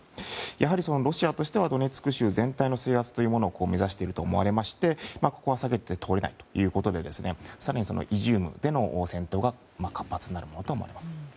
やはりロシアとしてはドネツク州全体の制圧を目指していると思われましてここは避けて通れないということで更にイジュームでの戦闘が活発になると思われます。